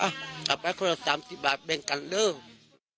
อะเอาไปราคา๓๐บาทเบนกันนะ